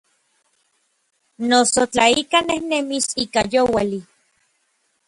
Noso tla ikaj nejnemis ika youali.